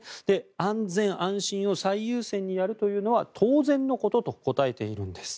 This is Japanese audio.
安全安心を最優先にやるというのは当然のことと答えているんです。